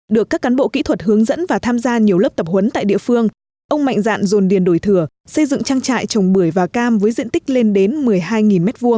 được các cán bộ kỹ thuật hướng dẫn và tham gia nhiều lớp tập huấn tại địa phương ông mạnh dạn dồn điền đổi thừa xây dựng trang trại trồng bưởi và cam với diện tích lên đến một mươi hai m hai